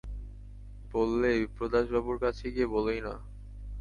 বললে, বিপ্রদাসবাবুর কাছে গিয়ে বলোই-না।